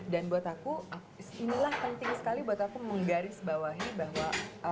dan buat aku inilah penting sekali buat aku menggaris bawahi bahwa